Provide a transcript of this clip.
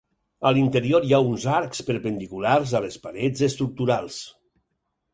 A l'interior hi ha uns arcs perpendiculars a les parets estructurals.